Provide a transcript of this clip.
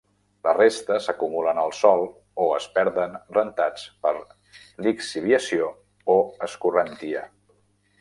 La resta s'acumulen al sòl o es perden rentats per lixiviació o escorrentia.